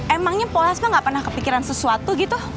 emangnya mpo lasma gak pernah kepikiran sesuatu gitu